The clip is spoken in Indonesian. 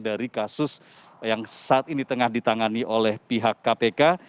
dari kasus yang saat ini tengah ditangani oleh pihak kpk